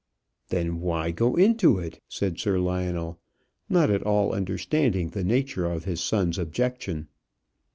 "Then why go into it?" said Sir Lionel, not at all understanding the nature of his son's objection.